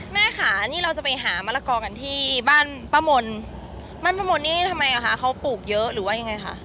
แม่ค่ะนี่เราจะไปหามะละกอกันที่บ้านป้ามนบ้านป้ามนนี่ทำไมอ่ะคะเขาปลูกเยอะหรือว่ายังไงคะ